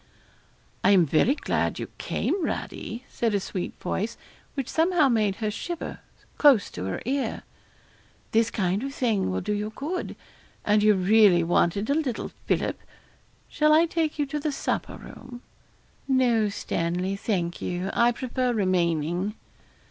'I'm very glad you came, Radie,' said a sweet voice, which somehow made her shiver, close to her ear. 'This kind of thing will do you good; and you really wanted a little fillip. Shall I take you to the supper room?' 'No, Stanley, thank you; I prefer remaining.'